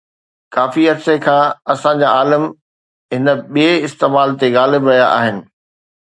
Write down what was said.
ڪافي عرصي کان اسان جا عالم هن ٻئي استعمال تي غالب رهيا آهن